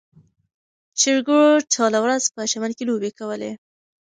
چرګوړو ټوله ورځ په چمن کې لوبې کولې.